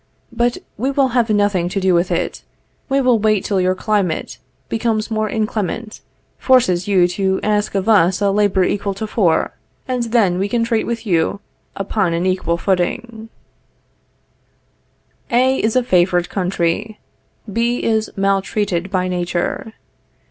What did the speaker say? But we will have nothing to do with it; we will wait till your climate, becoming more inclement, forces you to ask of us a labor equal to four, and then we can treat with you upon an equal footing." A is a favored country; B is maltreated by Nature.